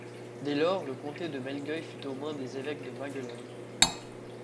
Dès lors, le comté de Melgueil fut aux mains des évêques de Maguelone.